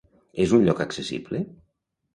És un lloc accessible?